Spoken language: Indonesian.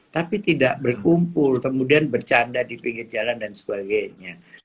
tapi tidak berkumpul kemudian bercanda di pinggir jalan dan sebagainya